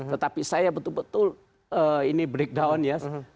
tetapi saya betul betul ini breakdown ya